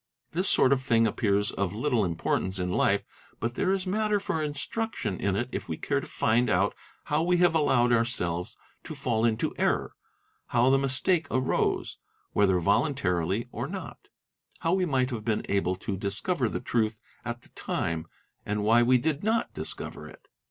This sort of thing appears of little import ance in life, but there is matter for instruction in it if we care to find 'out how we have allowed ourselves to fall into error, how the mistake ' arose—whether voluntarily or not,—how we might have been able to 'discover the truth at the time, and why we did not discover it.